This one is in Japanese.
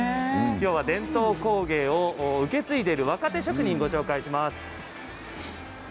きょうは伝統工芸を受け継いでいる若手職人をご紹介します。